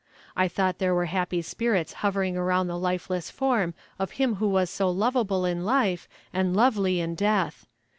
I thought there were happy spirits hovering round the lifeless form of him who was so lovable in life and lovely in death.